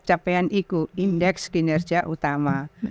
capaian ego indeks kinerja utama